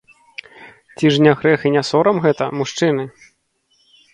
Цi ж не грэх i не сорам гэта, мужчыны?